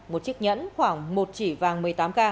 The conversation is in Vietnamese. một chiếc nhẫn khoảng một chỉ vàng một mươi tám k